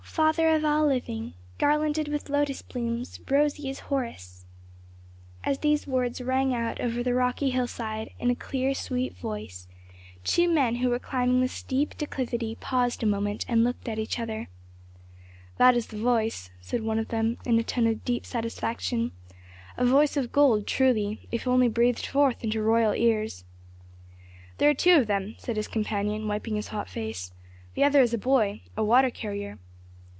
Father of all living! Garlanded with lotus blooms, rosy as Horus!" As these words rang out over the rocky hillside in a clear sweet voice, two men who were climbing the steep declivity paused a moment and looked at each other. "That is the voice," said one of them in a tone of deep satisfaction. "A voice of gold truly, if only breathed forth into royal ears." "There are two of them," said his companion, wiping his hot face. "The other is a boy, a water carrier.